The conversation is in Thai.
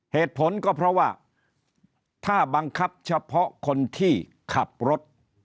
เหตุผลก็เพราะว่าถ้าบังคับเฉพาะคนที่ขับรถ